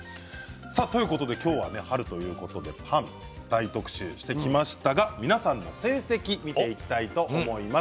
今日は春ということでパンを大特集してきましたが皆さんの成績を見ていきたいと思います。